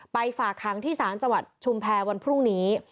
ฝากค้างที่ศาลจังหวัดชุมแพรวันพรุ่งนี้